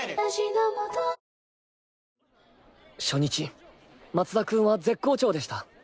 初日松田君は絶好調でした。